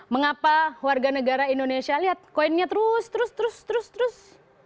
mengapa warga negara indonesia lihat koinnya terus terus terus terus